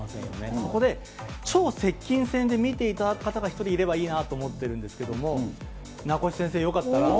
そこで、超接近戦で見ていただく方が、１人いればいいなと思ってるんですけども、名越先生、よかったら。